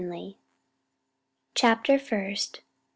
Chapter First.